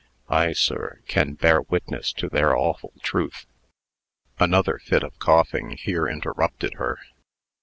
I, sir, can bear witness to their awful truth." Another fit of coughing here interrupted her.